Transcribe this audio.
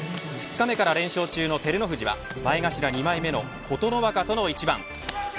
２日目から連勝中の照ノ富士は前頭二枚目の琴ノ若との一番。